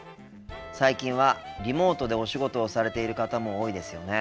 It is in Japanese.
最近はリモートでお仕事をされている方も多いですよね。